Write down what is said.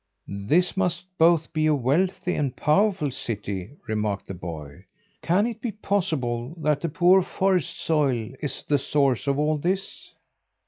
"This must be both a wealthy and powerful city," remarked the boy. "Can it be possible that the poor forest soil is the source of all this?"